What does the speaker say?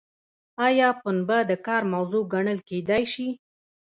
ایا پنبه د کار موضوع ګڼل کیدای شي؟